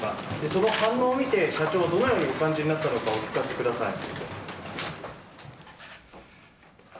その反応を見て社長はどのようにお感じになったのかお聞かせください。